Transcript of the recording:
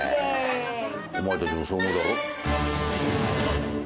お前たちもそう思うだろ？